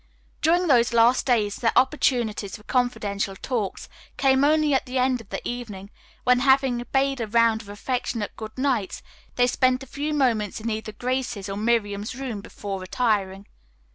During those last days their opportunities for confidential talks came only at the end of the evening, when, having bade a round of affectionate good nights, they spent a few moments in either Grace's or Miriam's room before retiring.